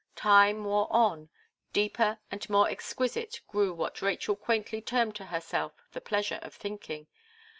Time wore on; deeper and more exquisite grew what Rachel quaintly termed to herself "the pleasure of thinking."